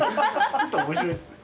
ちょっと面白いですね。